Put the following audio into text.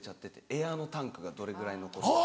エアのタンクがどれぐらい残ってるか。